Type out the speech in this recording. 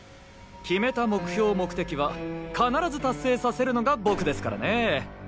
決めた目標目的は必ず達成させるのが僕ですからね！